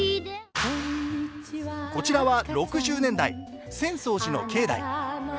こちらは６０年代、浅草寺の境内。